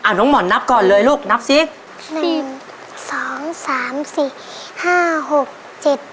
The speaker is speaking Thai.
น้องหมอนนับก่อนเลยลูกนับสิหนึ่งสองสามสี่ห้าหกเจ็ด